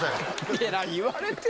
えらい言われて。